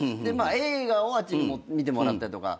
映画をあっちに見てもらったりとか。